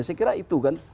saya kira itu kan